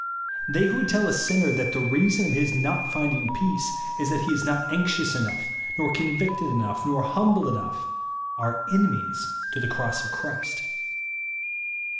They who would tell a sinner that the reason of his not finding peace is that he is not anxious enough, nor convicted enough, nor humbled enough, are enemies to the cross of Christ.